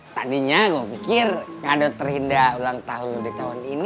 tadinya gue pikir kado terhinda ulang tahun udah tahun ini